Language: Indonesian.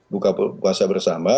buka puasa bersama